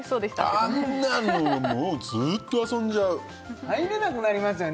あんなのもうずっと遊んじゃう入れなくなりますよね